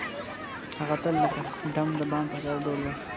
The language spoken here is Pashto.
هغه تل لکه ډم د بام په سر ډول وهي.